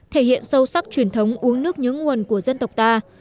thể hiện sâu sắc truyền thống uống nước nhớ nguồn của dân tộc ta